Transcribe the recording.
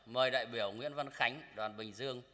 mời đại biểu nguyễn văn khánh đoàn bình dương